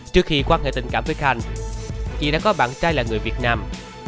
trước khi quan hệ tình cảm với khanh chị đã có bạn trai là người việt nam